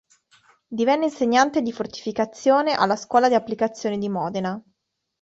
Divenne insegnante di fortificazione alla scuola di applicazione di Modena.